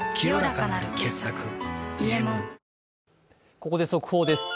ここで速報です。